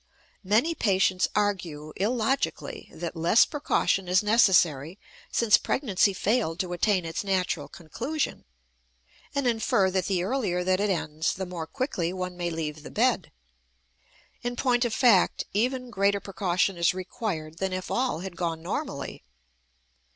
Many patients argue, illogically, that less precaution is necessary since pregnancy failed to attain its natural conclusion, and infer that the earlier that it ends the more quickly one may leave the bed. In point of fact, even greater precaution is required than if all had gone normally.